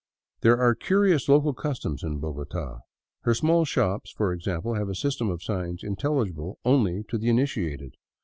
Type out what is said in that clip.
There are curious local customs in Bogota. Her small shops, for example, have a system of signs intelligible only to the initiated.